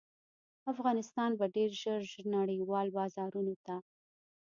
افغانستان به ډیر ژر نړیوالو بازارونو ته